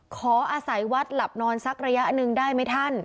ขออาศัยวัดหลับนอนสักระยะหนึ่งได้ไหมท่าน